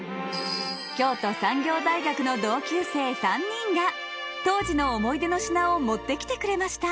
京都産業大学の同級生３人が当時の思い出の品を持ってきてくれました。